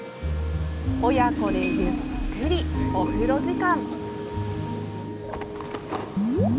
親子でゆっくりお風呂時間。